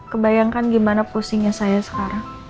kebayangkan gimana pusingnya saya sekarang